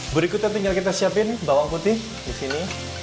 berikutnya tinggal kita siapin bawang putih di sini